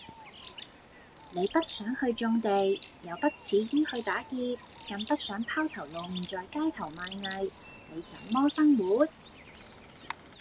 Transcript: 你不想去種地；又不恥於去打劫；更不想拋頭露面在街頭賣藝。你怎麼生活？